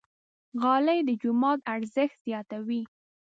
غالۍ د جومات ارزښت زیاتوي.